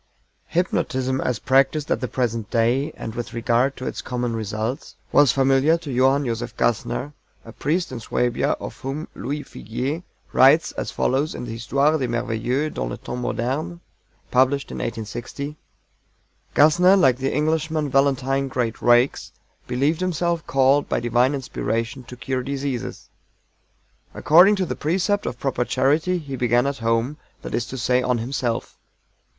Hypnotism as practiced at the present day, and with regard to its common results, was familiar to JOHANN JOSEPH GASSNER, a priest in Suabia, of whom LOUIS FIGUIER writes as follows in his Histoire du Merveilleux dans les Temps Modernes, published in 1860: "GASSNER, like the Englishman VALENTINE GREAT RAKES, believed himself called by divine inspiration to cure diseases. According to the precept of proper charity he began at home that is to say on himself.